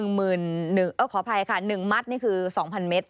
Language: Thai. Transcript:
๑หมื่นอ้อขออภัยค่ะ๑มัดนี่คือ๒๐๐๐เมตร